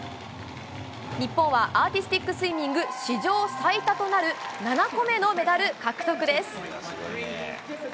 日本はアーティスティックスイミング史上最多となる７個目のメダル獲得です。